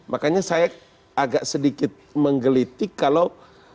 makanya saya agak sedikit menggelitik kalau